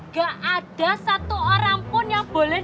gak ada satu orang pun yang boleh